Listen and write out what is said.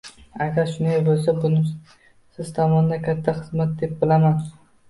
Agar shunday bo`lsa, buni siz tomondan katta xizmat deb bilaman